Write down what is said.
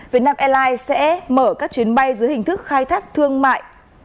việt nam airlines sẽ mở các chuyến bay giữa hình thức khai thác thương mại